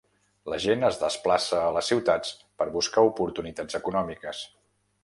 La gent es desplaça a les ciutats per buscar oportunitats econòmiques.